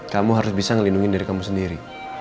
kamu harus bisa ngelindungi dari kamu sendiri